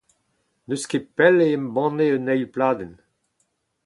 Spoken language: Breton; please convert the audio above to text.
N'eus ket pell e embanne un eil pladenn.